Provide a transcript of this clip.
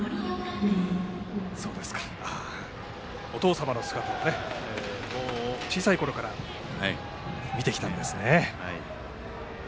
お父様の姿を小さいころから見てきたんですね。